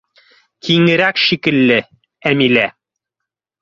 — Киңерәк шикелле, Әмилә.